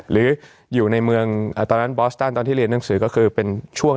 หรืออยู่ในเมืองตอนนั้นบอสตันตอนที่เรียนหนังสือก็คือเป็นช่วง